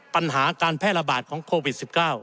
ปัญหาการแพร่ระบาดของโควิด๑๙